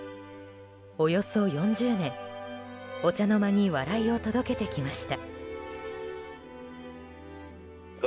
およそ４０年、お茶の間に笑いを届けてきました。